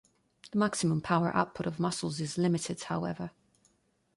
The maximum power output of muscles is limited, however.